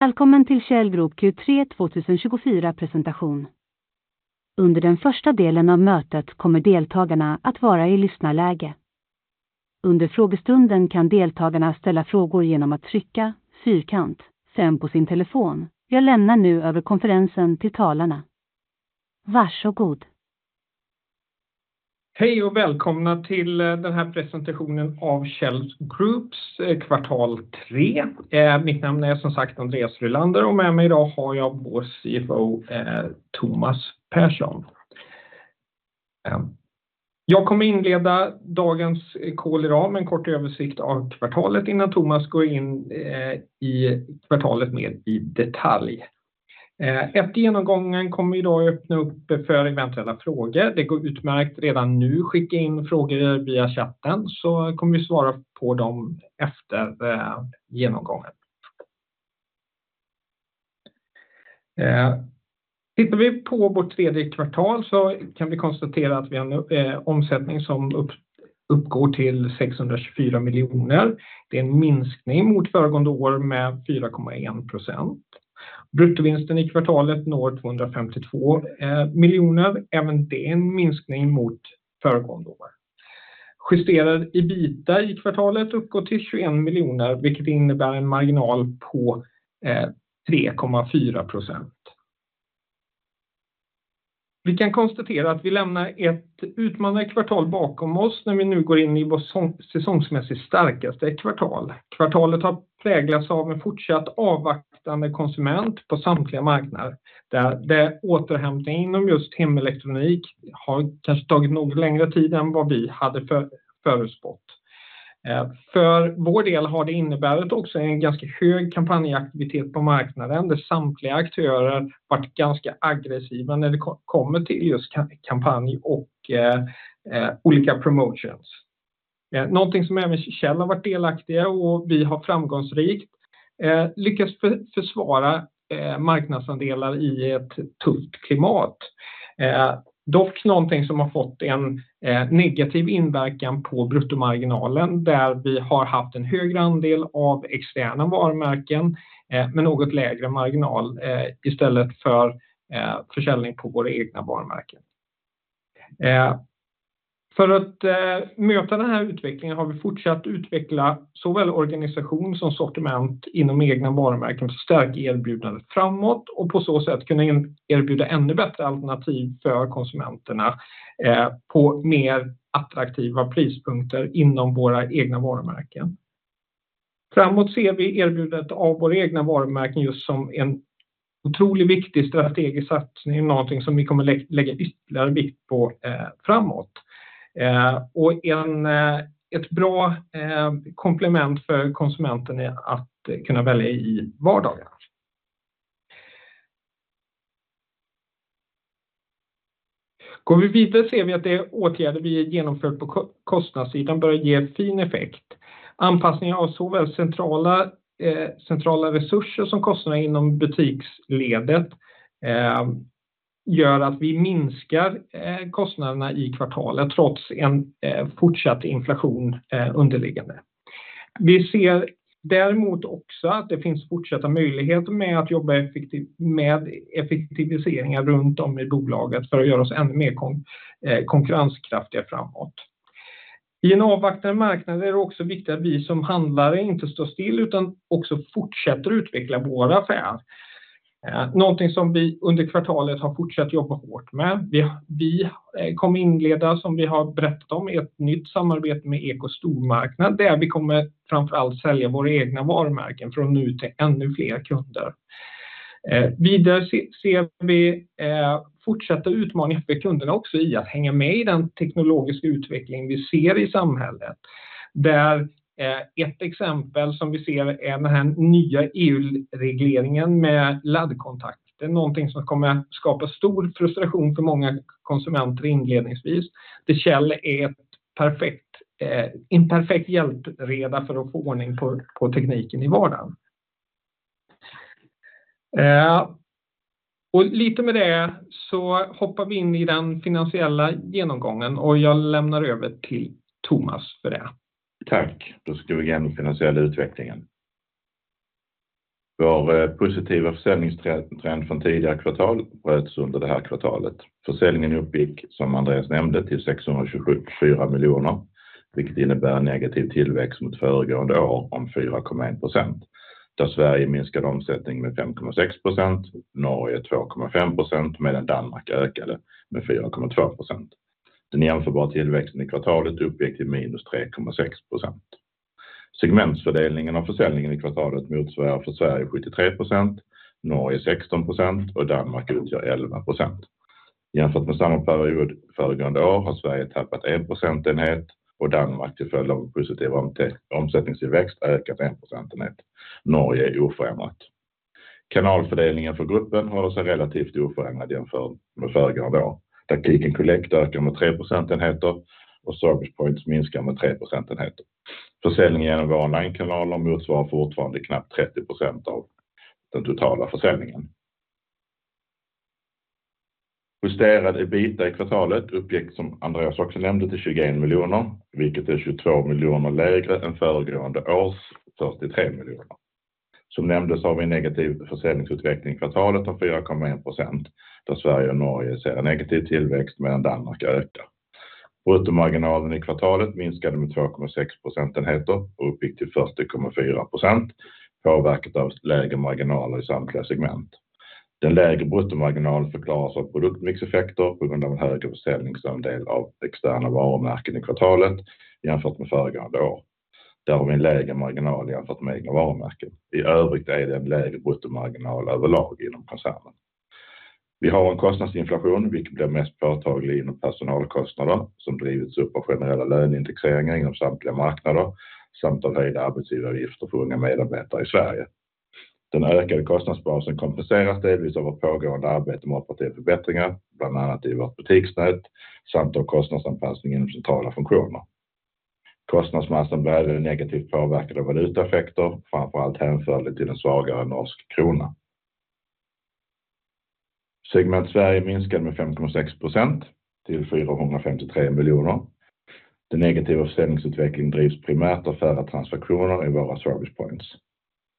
Välkommen till Kjell Group Q3 2024 presentation. Under den första delen av mötet kommer deltagarna att vara i lyssnarläge. Under frågestunden kan deltagarna ställa frågor igenom att trycka fyrkant sen på sin telefon. Jag lämnar nu över konferensen till talarna. Varsågod! Hej och välkomna till den här presentationen av Kjell Groups kvartal tre. Mitt namn är som sagt Andreas Rylander och med mig idag har jag vår CFO, Thomas Persson. Jag kommer att inleda dagens call idag med en kort översikt av kvartalet innan Thomas går in i kvartalet mer i detalj. Efter genomgången kommer vi då öppna upp det för eventuella frågor. Det går utmärkt redan nu, skicka in frågor via chatten så kommer vi svara på dem efter genomgången. Tittar vi på vårt tredje kvartal så kan vi konstatera att vi har en omsättning som uppgår till 624 miljoner. Det är en minskning mot föregående år med 4,1%. Bruttovinsten i kvartalet når 252 miljoner, även det är en minskning mot föregående år. Justerad EBITA i kvartalet uppgår till 21 miljoner, vilket innebär en marginal på 3,4%. Vi kan konstatera att vi lämnar ett utmanande kvartal bakom oss när vi nu går in i vårt säsongsmässigt starkaste kvartal. Kvartalet har präglats av en fortsatt avvaktande konsument på samtliga marknader, där återhämtningen inom just hemelektronik har kanske tagit något längre tid än vad vi hade förutspått. För vår del har det inneburit också en ganska hög kampanjaktivitet på marknaden, där samtliga aktörer varit ganska aggressiva när det kommer till just kampanj och olika promotions. Någonting som även Kjell har varit delaktiga och vi har framgångsrikt lyckats försvara marknadsandelar i ett tufft klimat. Dock någonting som har fått en negativ inverkan på bruttomarginalen, där vi har haft en högre andel av externa varumärken med något lägre marginal istället för försäljning på våra egna varumärken. För att möta den här utvecklingen har vi fortsatt utveckla såväl organisation som sortiment inom egna varumärken för att stärka erbjudandet framåt och på så sätt kunna erbjuda ännu bättre alternativ för konsumenterna på mer attraktiva prispunkter inom våra egna varumärken. Framåt ser vi erbjudandet av våra egna varumärken just som en otroligt viktig strategisk satsning, något som vi kommer att lägga ytterligare vikt på framåt. Ett bra komplement för konsumenten är att kunna välja i vardagen. Går vi vidare ser vi att de åtgärder vi genomfört på kostnadssidan bör ge en fin effekt. Anpassning av såväl centrala resurser som kostnader inom butiksledet gör att vi minskar kostnaderna i kvartalet, trots en fortsatt underliggande inflation. Vi ser däremot också att det finns fortsatta möjligheter med att jobba effektivt med effektiviseringar runt om i bolaget för att göra oss ännu mer konkurrenskraftiga framåt. I en avvaktande marknad är det också viktigt att vi som handlare inte står still, utan också fortsätter utveckla våra affärer. Något som vi under kvartalet har fortsatt jobba hårt med. Vi kommer inleda, som vi har berättat om, ett nytt samarbete med Eko stormarknad, där vi kommer framför allt sälja våra egna varumärken från nu till ännu fler kunder. Vidare ser vi fortsatta utmaningar för kunderna också i att hänga med i den teknologiska utvecklingen vi ser i samhället. Där ett exempel som vi ser är den här nya EU-regleringen med laddkontakt. Det är något som kommer att skapa stor frustration för många konsumenter inledningsvis. Det Kjell är ett perfekt, en perfekt hjälpreda för att få ordning på tekniken i vardagen. Lite med det så hoppar vi in i den finansiella genomgången och jag lämnar över till Thomas för det. Tack! Då ska vi igenom den finansiella utvecklingen. Vår positiva försäljningstrend från tidigare kvartal bröts under det här kvartalet. Försäljningen uppgick, som Andreas nämnde, till 624 miljoner, vilket innebär negativ tillväxt mot föregående år om 4,1%, där Sverige minskade omsättning med 5,6%, Norge 2,5%, medan Danmark ökade med 4,2%. Den jämförbara tillväxten i kvartalet uppgick till minus 3,6%. Segmentsfördelningen av försäljningen i kvartalet motsvarar för Sverige 73%, Norge 16% och Danmark utgör 11%. Jämfört med samma period föregående år har Sverige tappat en procentenhet och Danmark, till följd av positiv omsättningstillväxt, ökat en procentenhet. Norge är oförändrat. Kanalfördelningen för gruppen håller sig relativt oförändrad jämfört med föregående år, där click and collect ökar med tre procentenheter och service points minskar med tre procentenheter. Försäljningen igenom vår onlinekanal motsvarar fortfarande knappt 30% av den totala försäljningen. Justerad EBITA i kvartalet uppgick, som Andreas också nämnde, till 21 miljoner, vilket är 22 miljoner lägre än föregående års första tre miljoner. Som nämndes har vi en negativ försäljningsutveckling i kvartalet av 4,1%, där Sverige och Norge ser en negativ tillväxt medan Danmark ökar. Bruttomarginalen i kvartalet minskade med 2,6 procentenheter och uppgick till första komma fyra procent, påverkat av lägre marginaler i samtliga segment. Den lägre bruttomarginalen förklaras av produktmixeffekter på grund av en högre försäljningsandel av externa varumärken i kvartalet jämfört med föregående år. Där har vi en lägre marginal jämfört med egna varumärken. I övrigt är det en lägre bruttomarginal överlag inom koncernen. Vi har en kostnadsinflation, vilket blir mest påtaglig inom personalkostnader, som drivits upp av generella löneindexeringar inom samtliga marknader samt av höjda arbetsgivaravgifter för unga medarbetare i Sverige. Den ökade kostnadsbasen kompenseras delvis av vårt pågående arbete med operativa förbättringar, bland annat i vårt butiksnät, samt av kostnadsanpassning inom centrala funktioner. Kostnadsmassan var även negativt påverkad av valutaeffekter, framför allt hänförligt till den svagare norska kronan. Segment Sverige minskade med 5,6% till 453 miljoner. Den negativa försäljningsutvecklingen drivs primärt av färre transaktioner i våra service points.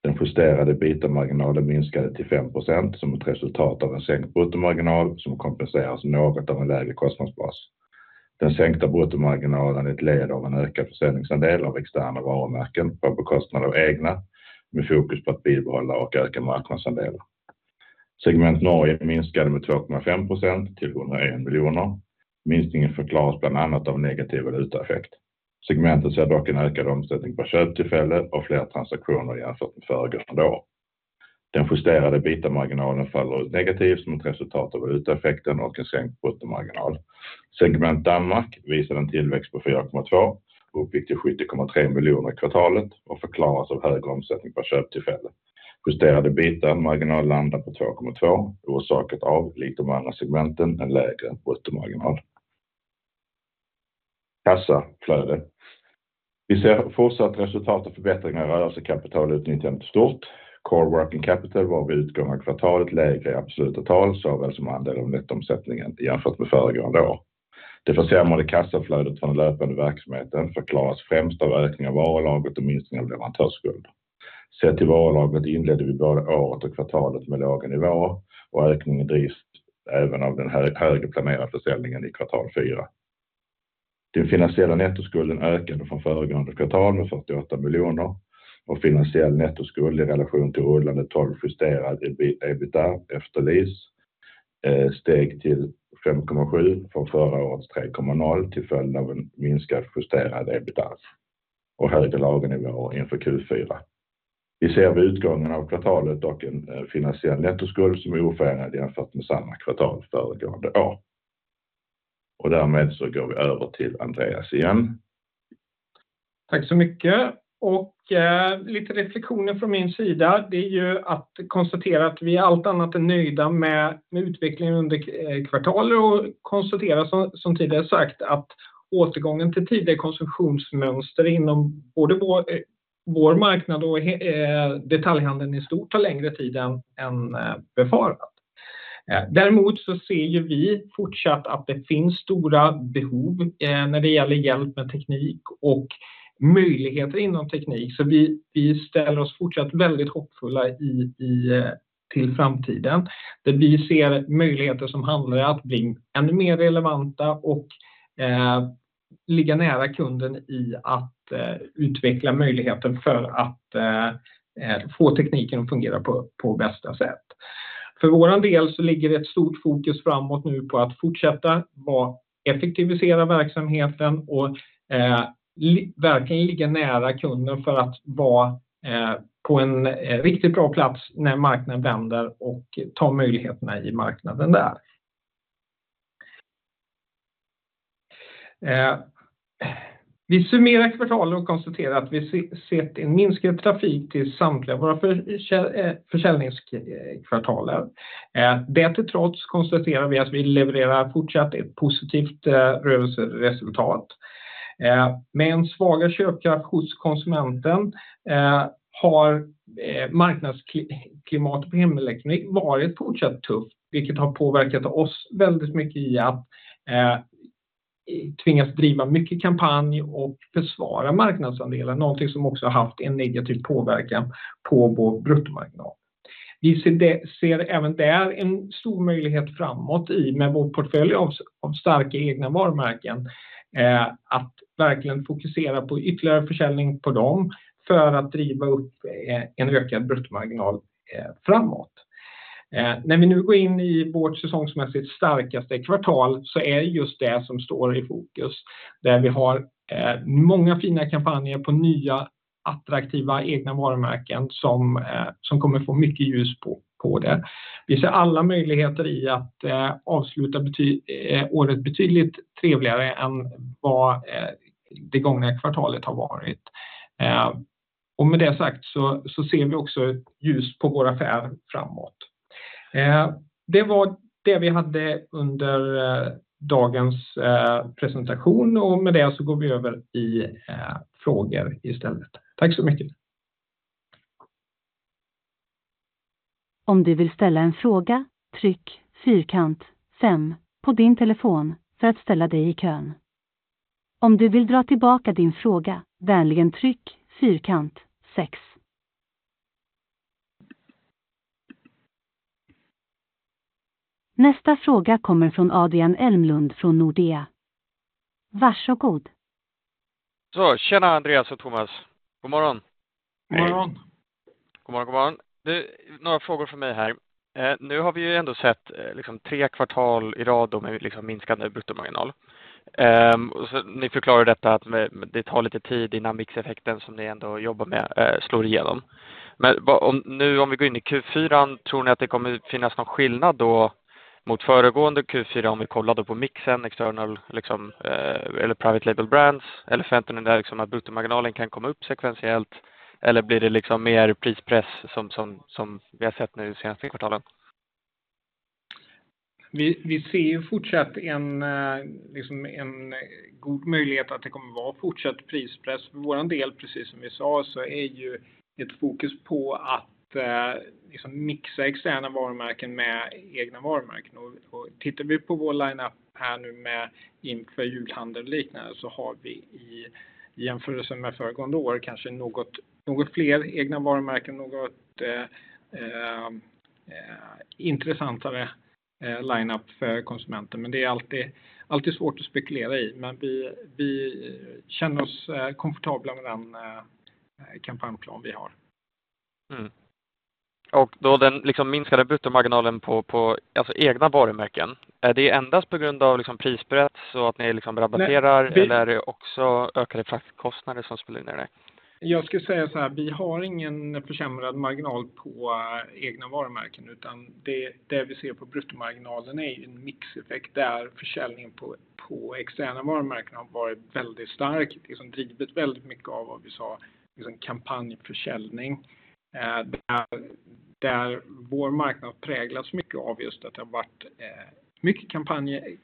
Den justerade EBITA-marginalen minskade till 5% som ett resultat av en sänkt bruttomarginal som kompenseras något av en lägre kostnadsbas. Den sänkta bruttomarginalen är ett led av en ökad försäljningsandel av externa varumärken på bekostnad av egna, med fokus på att bibehålla och öka marknadsandelar. Segment Norge minskade med 2,5% till 101 miljoner. Minskningen förklaras bland annat av negativ valutaeffekt. Segmentet ser dock en ökad omsättning på köptillfälle och fler transaktioner jämfört med föregående år. Den justerade EBITA-marginalen faller ut negativt som ett resultat av valutaeffekten och en sänkt bruttomarginal. Segment Danmark visar en tillväxt på 4,2% och uppgick till 70,3 miljoner i kvartalet och förklaras av högre omsättning per köptillfälle. Justerade EBITA-marginal landar på 2,2%, orsakat av, likt de andra segmenten, en lägre bruttomarginal. Kassaflöde. Vi ser fortsatt resultat och förbättringar i rörelsekapitalutnyttjande stort. Core working capital var vid utgången av kvartalet lägre i absoluta tal, såväl som andel av nettoomsättningen jämfört med föregående år. Det försämrade kassaflödet från den löpande verksamheten förklaras främst av ökning av varulagret och minskning av leverantörsskuld. Sett till varulagret inledde vi både året och kvartalet med låga nivåer och ökningen drivs även av den högre planerade försäljningen i kvartal fyra. Den finansiella nettoskulden ökade från föregående kvartal med 48 miljoner och finansiell nettoskuld i relation till rullande tolv justerad EBITDA efter lease steg till 5,7 från förra årets 3,0, till följd av en minskad justerad EBITDA och högre lagernivåer inför Q4. Vi ser vid utgången av kvartalet dock en finansiell nettoskuld som är oförändrad jämfört med samma kvartal föregående år. Därmed går vi över till Andreas igen. Tack så mycket! Och lite reflektioner från min sida, det är ju att konstatera att vi är allt annat än nöjda med utvecklingen under kvartalet och konstatera som tidigare sagt, att återgången till tidigare konsumtionsmönster inom både vår marknad och detaljhandeln i stort tar längre tid än befarat. Däremot så ser ju vi fortsatt att det finns stora behov när det gäller hjälp med teknik och möjligheter inom teknik. Så vi ställer oss fortsatt väldigt hoppfulla till framtiden, där vi ser möjligheter som handlar att bli ännu mer relevanta och ligga nära kunden i att utveckla möjligheten för att få tekniken att fungera på bästa sätt. För vår del så ligger det ett stort fokus framåt nu på att fortsätta vara effektivisera verksamheten och verkligen ligga nära kunden för att vara på en riktigt bra plats när marknaden vänder och ta möjligheterna i marknaden där. Vi summerar kvartalet och konstaterar att vi sett en minskad trafik till samtliga våra försäljningskvartaler. Det till trots konstaterar vi att vi levererar fortsatt ett positivt rörelseresultat. Med en svagare köpkraft hos konsumenten har marknadsklimat på hemelektronik varit fortsatt tufft, vilket har påverkat oss väldigt mycket i att tvingas driva mycket kampanj och försvara marknadsandelar, någonting som också haft en negativ påverkan på vår bruttomarginal. Vi ser även där en stor möjlighet framåt med vår portfölj av starka egna varumärken att verkligen fokusera på ytterligare försäljning på dem för att driva upp en ökad bruttomarginal framåt. När vi nu går in i vårt säsongsmässigt starkaste kvartal så är det just det som står i fokus, där vi har många fina kampanjer på nya attraktiva egna varumärken som kommer att få mycket ljus på det. Vi ser alla möjligheter i att avsluta året betydligt trevligare än vad det gångna kvartalet har varit. Och med det sagt så ser vi också ett ljus på vår affär framåt. Det var det vi hade under dagens presentation och med det så går vi över i frågor istället. Tack så mycket! Om du vill ställa en fråga, tryck fyrkant fem på din telefon för att ställa dig i kön. Om du vill dra tillbaka din fråga, vänligen tryck fyrkant sex. Nästa fråga kommer från Adrian Elmlund från Nordea. Varsågod! Så, hej Andreas och Thomas. God morgon! God morgon. God morgon, god morgon. Det, några frågor från mig här. Nu har vi ju ändå sett liksom tre kvartal i rad med liksom minskande bruttomarginal. Och ni förklarar detta att det tar lite tid innan mixeffekten som ni ändå jobbar med slår igenom. Men vad, om nu, om vi går in i Q4, tror ni att det kommer att finnas någon skillnad då mot föregående Q4? Om vi kollar då på mixen, external, liksom, eller private label brands, eller förväntan där liksom att bruttomarginalen kan komma upp sekventiellt? Eller blir det liksom mer prispress som vi har sett nu de senaste kvartalen? Vi ser ju fortsatt en god möjlighet att det kommer vara fortsatt prispress. För vår del, precis som vi sa, så är ju ett fokus på att mixa externa varumärken med egna varumärken. Och tittar vi på vår lineup här nu inför julhandel och liknande, så har vi i jämförelse med föregående år kanske något fler egna varumärken, något intressantare lineup för konsumenten. Men det är alltid svårt att spekulera i, men vi känner oss komfortabla med den kampanjplan vi har. Mm. Och då den liksom minskade bruttomarginalen på egna varumärken, är det endast på grund av liksom prispress och att ni liksom rabatterar? Eller är det också ökade fraktkostnader som spelar in i det? Jag skulle säga så här: vi har ingen försämrad marginal på egna varumärken, utan det vi ser på bruttomarginalen är ju en mixeffekt där försäljningen på externa varumärken har varit väldigt stark, liksom drivit väldigt mycket av vad vi sa, liksom kampanjförsäljning. Där vår marknad präglats mycket av just att det har varit mycket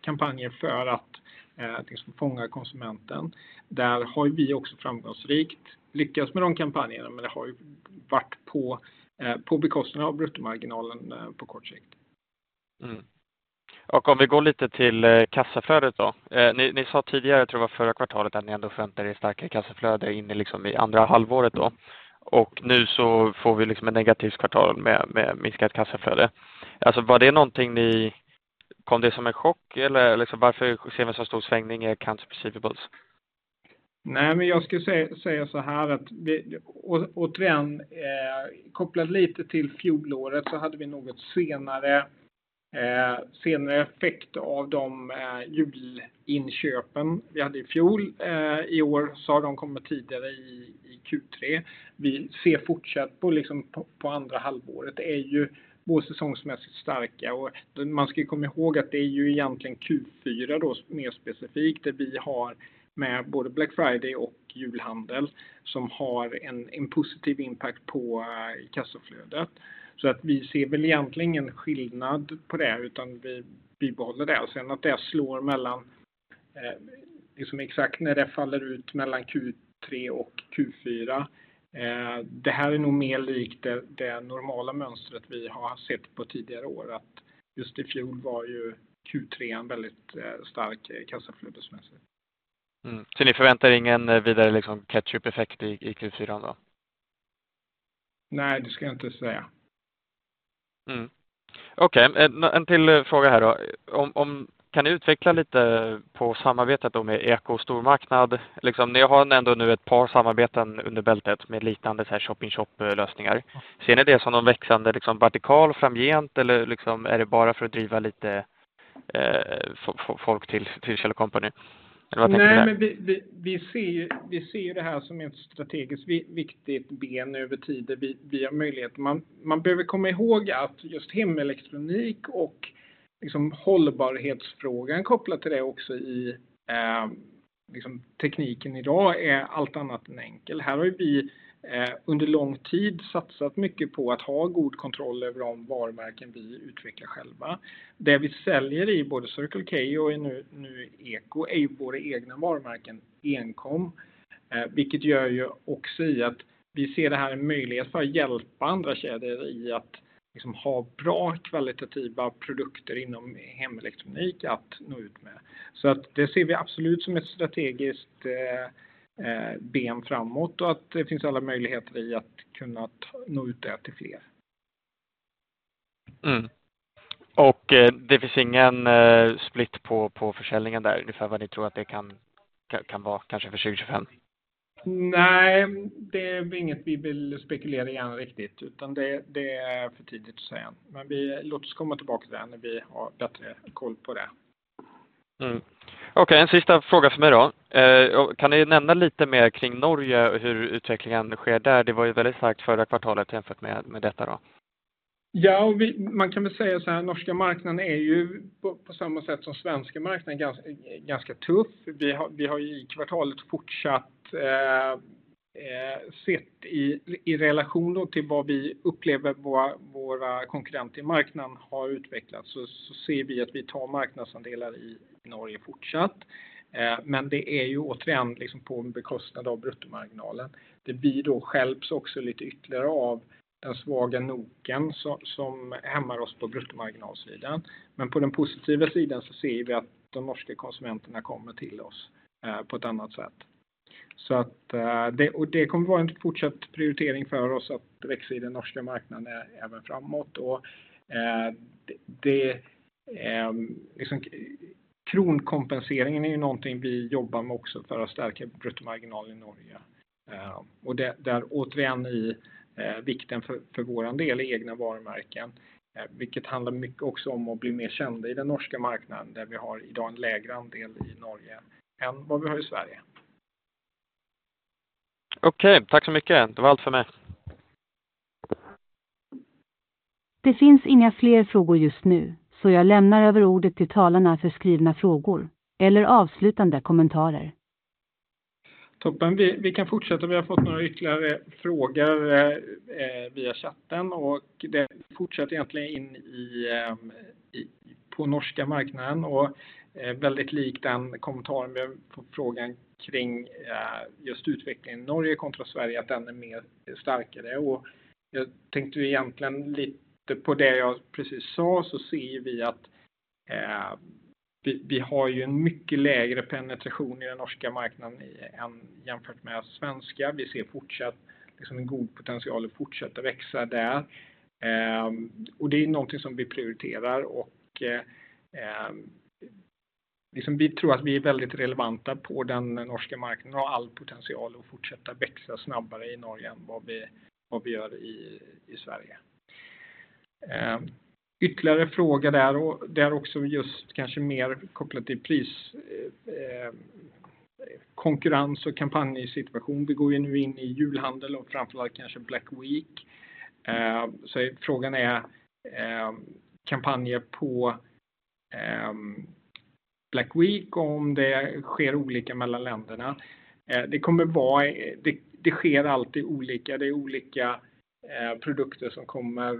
kampanjer för att liksom fånga konsumenten. Där har ju vi också framgångsrikt lyckats med de kampanjerna, men det har ju varit på bekostnad av bruttomarginalen på kort sikt. Mm. Och om vi går lite till kassaflödet då. Ni sa tidigare, tror det var förra kvartalet, att ni ändå förväntar er starkare kassaflöde in i andra halvåret då. Och nu så får vi ett negativt kvartal med minskat kassaflöde. Alltså, var det någonting ni... Kom det som en chock? Eller varför ser vi en så stor svängning i current receivables? Nej, men jag skulle säga såhär att vi, och återigen, kopplat lite till fjolåret, så hade vi något senare effekt av de julinköpen vi hade i fjol. I år så har de kommit tidigare i Q3. Vi ser fortsatt på andra halvåret är ju vår säsongsmässigt starka. Och man ska ju komma ihåg att det är ju egentligen Q4 då, mer specifikt, där vi har med både Black Friday och julhandel, som har en positiv impact på kassaflödet. Så att vi ser väl egentligen ingen skillnad på det, utan vi bibehåller det. Och sen att det slår mellan, liksom exakt när det faller ut mellan Q3 och Q4. Det här är nog mer likt det normala mönstret vi har sett på tidigare år. Att just i fjol var ju Q3 en väldigt stark kassaflödesmässigt. Mm. Så ni förväntar er ingen vidare liksom catch up-effekt i Q4 då? Nej, det skulle jag inte säga. Okej, en till fråga här då. Kan ni utveckla lite på samarbetet då med ECO Stormarknad? Ni har ändå nu ett par samarbeten under bältet med liknande shop in shop-lösningar. Ser ni det som någon växande vertikal framgent? Eller är det bara för att driva lite folk till Circle Company? Nej, men vi ser ju det här som ett strategiskt viktigt ben över tid där vi har möjlighet. Man behöver komma ihåg att just hemelektronik och hållbarhetsfrågan kopplat till det också i tekniken i dag är allt annat än enkel. Här har ju vi under lång tid satsat mycket på att ha god kontroll över de varumärken vi utvecklar själva. Det vi säljer i både Circle K och nu ECO, är ju våra egna varumärken enkom, vilket gör ju också att vi ser det här en möjlighet för att hjälpa andra kedjor att ha bra kvalitativa produkter inom hemelektronik att nå ut med. Så att det ser vi absolut som ett strategiskt ben framåt och att det finns alla möjligheter att kunna nå ut det till fler. Mm. Och det finns ingen split på, på försäljningen där, ungefär vad ni tror att det kan, kan vara, kanske för 2025? Nej, det är inget vi vill spekulera i än riktigt, utan det är för tidigt att säga. Men vi... Låt oss komma tillbaka till det när vi har bättre koll på det. Okej, en sista fråga från mig då. Kan ni nämna lite mer kring Norge och hur utvecklingen sker där? Det var ju väldigt starkt förra kvartalet jämfört med detta då. Ja, vi, man kan väl säga så här, norska marknaden är ju på samma sätt som svenska marknaden, ganska tuff. Vi har i kvartalet fortsatt sett i relation då till vad vi upplever våra konkurrenter i marknaden har utvecklats, så ser vi att vi tar marknadsandelar i Norge fortsatt. Men det är ju återigen liksom på bekostnad av bruttomarginalen. Det blir då hjälps också lite ytterligare av den svaga norska kronan som hämmar oss på bruttomarginalsidan. Men på den positiva sidan så ser vi att de norska konsumenterna kommer till oss på ett annat sätt. Så att, och det kommer vara en fortsatt prioritering för oss att växa i den norska marknaden även framåt. Och kronkompenseringen är ju någonting vi jobbar med också för att stärka bruttomarginalen i Norge. Och där återigen vikten för, för vår del i egna varumärken, vilket handlar mycket också om att bli mer kända i den norska marknaden, där vi har idag en lägre andel i Norge än vad vi har i Sverige. Okej, tack så mycket! Det var allt för mig. Det finns inga fler frågor just nu, så jag lämnar över ordet till talarna för skrivna frågor eller avslutande kommentarer. Toppen, vi kan fortsätta. Vi har fått några ytterligare frågor via chatten och det fortsätter egentligen in på norska marknaden. Väldigt lik den kommentaren med frågan kring just utvecklingen i Norge kontra Sverige, att den är mer starkare. Jag tänkte ju egentligen lite på det jag precis sa, så ser vi att vi har ju en mycket lägre penetration i den norska marknaden än jämfört med svenska. Vi ser fortsatt liksom en god potential att fortsätta växa där. Det är någonting som vi prioriterar och vi tror att vi är väldigt relevanta på den norska marknaden och har all potential att fortsätta växa snabbare i Norge än vad vi gör i Sverige. Ytterligare fråga där, och där också just kanske mer kopplat till pris, konkurrens och kampanjsituation. Vi går ju nu in i julhandel och framför allt kanske Black Week. Så frågan är kampanjer på Black Week om det sker olika mellan länderna? Det kommer vara... Det sker alltid olika. Det är olika produkter som kommer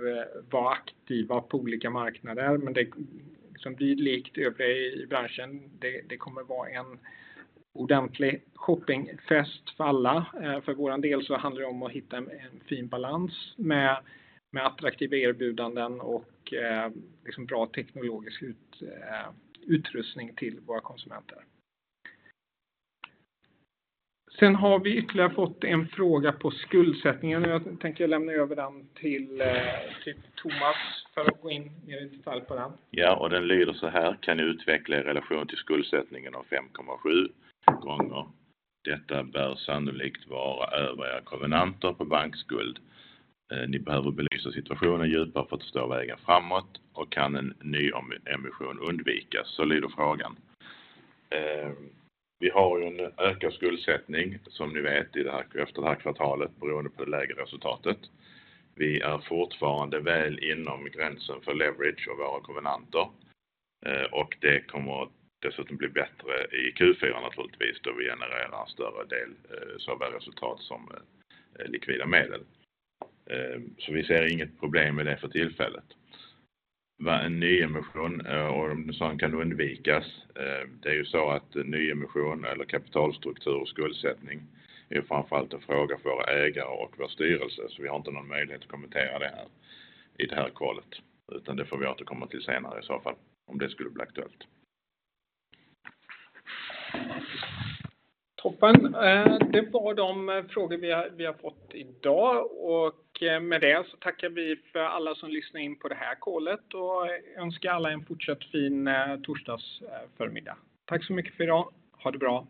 vara aktiva på olika marknader, men det liksom blir likt övrig i världen. Det kommer vara en ordentlig shoppingfest för alla. För vår del så handlar det om att hitta en fin balans med attraktiva erbjudanden och liksom bra teknologisk utrustning till våra konsumenter. Sen har vi ytterligare fått en fråga på skuldsättningen. Nu tänker jag lämna över den till Thomas för att gå in mer i detalj på den. Ja, och den lyder såhär: Kan ni utveckla er relation till skuldsättningen av 5,7 gånger? Detta bör sannolikt vara över era kovenanter på bankskuld. Ni behöver belysa situationen djupare för att förstå vägen framåt och kan en ny emission undvikas? Så lyder frågan. Vi har ju en ökad skuldsättning, som ni vet, i det här, efter det här kvartalet, beroende på det lägre resultatet. Vi är fortfarande väl inom gränsen för leverage och våra kovenanter, och det kommer dessutom bli bättre i Q4 naturligtvis, då vi genererar en större del såväl resultat som likvida medel. Så vi ser inget problem med det för tillfället. Vad en ny emission, och om en sådan kan undvikas? Eh, det är ju så att ny emission eller kapitalstruktur och skuldsättning är framför allt en fråga för våra ägare och vår styrelse, så vi har inte någon möjlighet att kommentera det här i det här samtalet, utan det får vi återkomma till senare i så fall, om det skulle bli aktuellt. Toppen! Det var de frågor vi har fått idag och med det så tackar vi för alla som lyssnar in på det här samtalet och önskar alla en fortsatt fin torsdagsförmiddag. Tack så mycket för idag. Ha det bra!